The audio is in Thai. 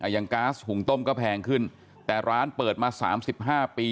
ยังก๊าซหุ่งต้มก็แพงขึ้นแต่ร้านเปิดมา๓๕ปี